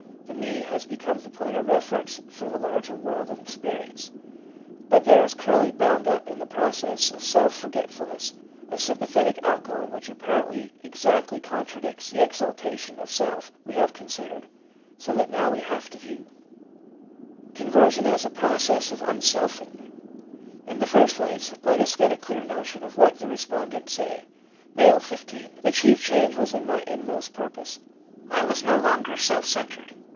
The 'me' has become the point of reference for the larger world of experience. But there is clearly bound up in the process a self forgetfulness, a sympathetic outgoing which apparently exactly contradicts the exaltation of self we have considered. So that now we have to view THE CHARACTER OF THE NEW LIFE 127 Conversion as a Process of Unselfing. In the first place, let us get a clear notion of what the respondents say. M., 15. ' The chief change was in my inmost purpose. I was no longer self centered.